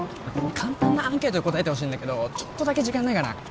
簡単なアンケートに答えてほしいんだけどちょっとだけ時間ないかな？